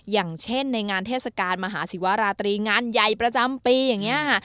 อย่างเช่นในงานเทศกาลมหาศิวราตรีงานใหญ่ประจำปีอย่างนี้ค่ะ